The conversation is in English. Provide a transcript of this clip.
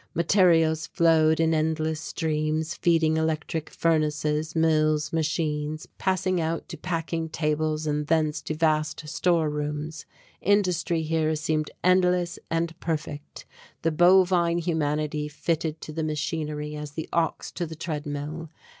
Materials flowed in endless streams, feeding electric furnaces, mills, machines; passing out to packing tables and thence to vast store rooms. Industry here seemed endless and perfect. The bovine humanity fitted to the machinery as the ox to the treadmill.